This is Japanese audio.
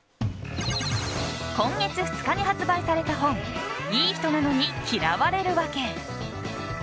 今月２日に発売された本「いい人なのに嫌われるわけ」。